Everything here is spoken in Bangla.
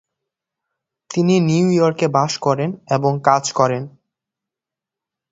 তিনি নিউ ইয়র্কে বাস করেন এবং কাজ করেন।